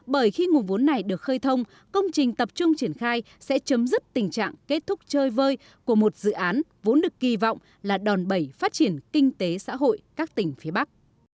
bởi khi nguồn vốn này được khơi thông công trình tập trung triển khai sẽ chấm dứt tình trạng kết thúc chơi vơi của một dự án vốn được kỳ vọng là đòn bẩy phát triển kinh tế xã hội các tỉnh phía bắc